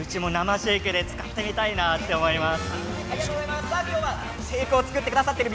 ぜひうちも生シェイクで使ってみたいなと思います。